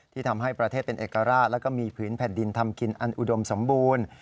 ทำให้ประเทศเป็นเอกราชแล้วก็มีผืนแผ่นดินทำกินอันอุดมสมบูรณ์